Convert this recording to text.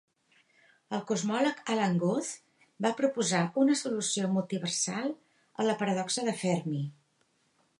El cosmòleg Alan Guth va proposar una solució multiversal a la paradoxa de Fermi.